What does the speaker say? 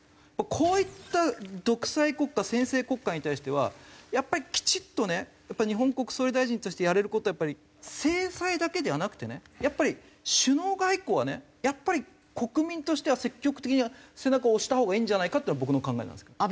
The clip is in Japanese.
こういった独裁国家専制国家に対してはやっぱりきちっとね日本国総理大臣としてやれる事は制裁だけではなくてね首脳外交はねやっぱり国民としては積極的に背中を押したほうがいいんじゃないかっていうのが僕の考えなんですけど。